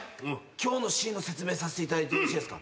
今日のシーンの説明させていただいてよろしいですか。